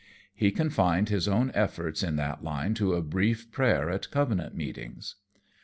He confined his own efforts in that line to a brief prayer at Covenant meetings.